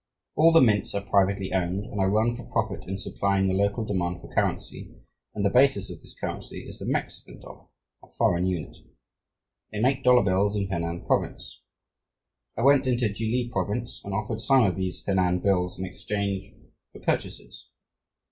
All the mints are privately owned and are run for profit in supplying the local demand for currency, and the basis of this currency is the Mexican dollar, a foreign unit. They make dollar bills in Honan Province. I went into Chili Province and offered some of these Honan bills in exchange for purchases.